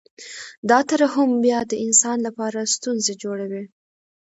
دا ترحم بیا د انسان لپاره ستونزې جوړوي